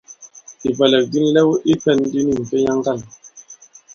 Ìbwɛ̀lɛ̀k di nlɛw i pɛ̄n di ni m̀fenya ŋgǎn.